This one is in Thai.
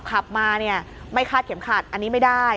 ขับมาเนี่ยไม่คาดเข็มขัดอันนี้ไม่ได้